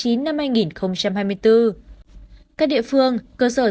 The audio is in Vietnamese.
các địa phương cơ sở giáo dục các đơn vị nhà trường thực hiện đúng quy định